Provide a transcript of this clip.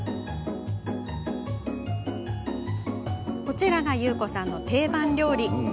こちらがゆうこさんの定番料理です。